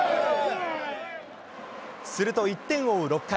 すると１点を追う６回。